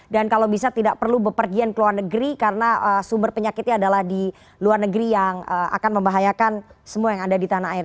dan kalau bisa tidak perlu bepergian ke luar negeri karena sumber penyakitnya adalah di luar negeri yang akan membahayakan semua yang ada di tanah air